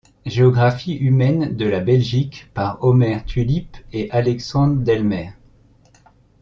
Géographie humaine de la Belgique, par Omer Tulippe et Alexandre Delmer.